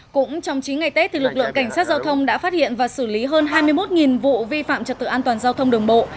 cũng trong chín ngày tết lực lượng cảnh sát giao thông đã phát hiện và xử lý hơn hai mươi một vụ vi phạm trật tự an toàn giao thông đường bộ